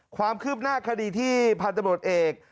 ความคืบหน้าคดีที่พันธบรวจเอก